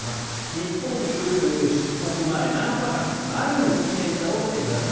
日本に来る出国前７日間毎日検査をしてください